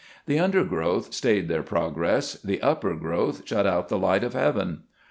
The undergrowth stayed their pro gress, the upper growth shut out the light of heaven.